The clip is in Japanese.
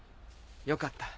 よかった。